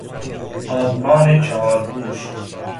بادبان چهارگوش